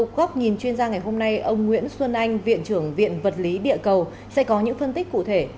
góc nhìn chuyên gia ngày hôm nay ông nguyễn xuân anh viện trưởng viện vật lý địa cầu sẽ có những phân tích cụ thể